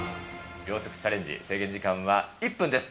秒速チャレンジ、制限時間は１分です。